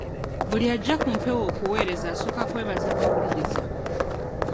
Buli ajja ku mpewo okuweereza asooka kwebaza bawuliriza.